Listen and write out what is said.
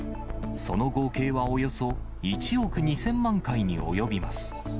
その合計はおよそ１億２０００万回に及びます。